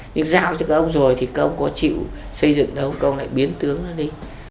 nhưng giao cho các ông rồi thì các ông có chịu xây dựng đâu các ông lại biến tướng nó đi